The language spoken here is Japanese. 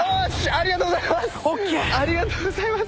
ありがとうございます。